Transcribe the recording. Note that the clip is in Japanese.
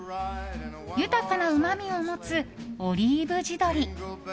豊かなうまみを持つオリーブ地鶏。